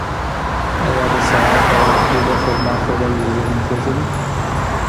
ایا د سهار په وخت کي د خرما خوړل ذهن تېزوي؟